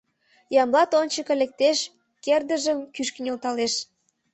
Ямблат ончыко лектеш, кердыжым кӱшкӧ нӧлталеш: